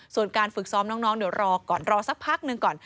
ส่วนการฝึกซ้อมน้องเดี๋ยวรอก่อนรอสักพักหนึ่งก่อน